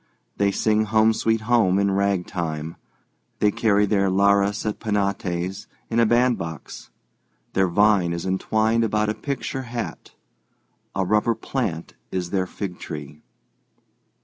They sing "Home, Sweet Home" in ragtime; they carry their lares et penates in a bandbox; their vine is entwined about a picture hat; a rubber plant is their fig tree.